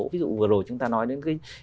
ví dụ vừa rồi chúng ta nói đến